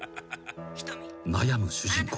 ［悩む主人公］